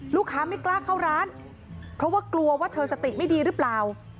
ลูกค้าไม่กล้าเข้าร้านเพราะว่ากลัวว่าเธอสติไม่ดีหรือเปล่า